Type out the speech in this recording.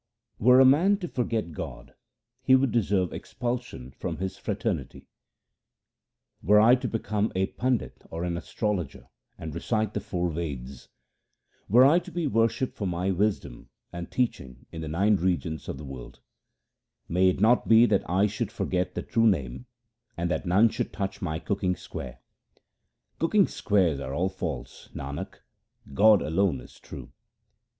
Were a man to forget God he would deserve expulsion from his fraternity :— Were I to become a pandit or an astrologer and recite the four Veds ; Were I to be worshipped for my wisdom and teaching in the nine regions of the world, May it not be that I should forget the true Name and that none should touch my cooking square. 1 Cooking squares are all false ; Nanak, God alone is true.